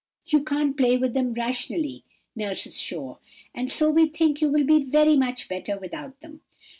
You can't play with them rationally, nurse is sure, and so we think you will be very much better without them.